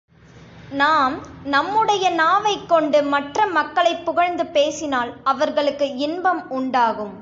நாம் நம்முடைய நாவைக் கொண்டு மற்ற மக்களைப் புகழ்ந்து பேசினால் அவர்களுக்கு இன்பம் உண்டாகும்.